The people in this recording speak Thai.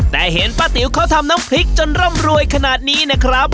แต่เห็นป้าติ๋วเขาทำน้ำพริกจนร่ำรวยขนาดนี้นะครับ